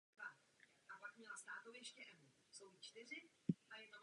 Na obecných školách vyučoval třídu zpravidla jeden učitel.